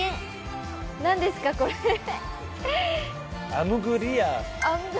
アマグリア！